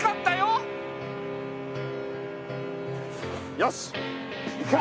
よし行くか。